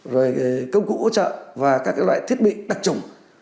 rồi công cụ hỗ trợ và các loại thiết bị đặc trùng